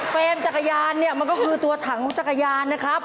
แฟนจักรยานเนี่ยมันก็คือตัวถังจักรยานนะครับ